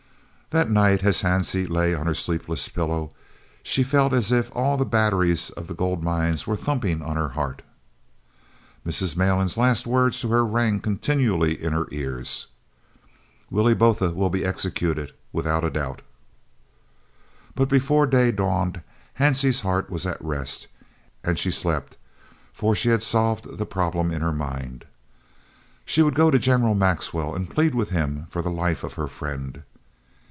That night as Hansie lay on her sleepless pillow, she felt as if all the batteries of the gold mines were thumping on her heart. Mrs. Malan's last words to her rang continually in her ears: "Willie Botha will be executed without a doubt." But before day dawned Hansie's heart was at rest and she slept, for she had solved the problem in her mind. She would go to General Maxwell and plead with him for the life of her friend.